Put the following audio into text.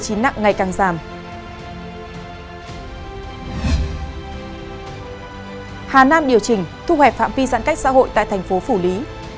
hà nam điều chỉnh thu hẹp phạm vi giãn cách xã hội tại thành phố phủ lý